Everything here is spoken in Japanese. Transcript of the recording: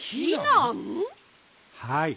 「はい。